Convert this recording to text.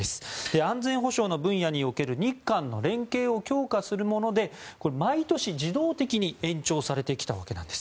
安全保障の分野における日韓の連携を強化するもので毎年、自動的に延長されてきたわけなんです。